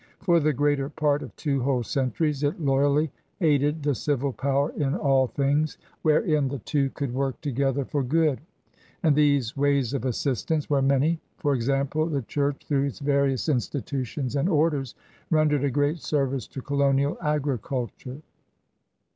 For the greater part of two whole centuries it loyally aided the civil power in all things wherein the two could work together for good. And these ways of assistance were many. For example the Church, through its various institu* 128 CRUSADERS OP NEW FRANCE tions and orders, rendered a great service to colonial agriculture.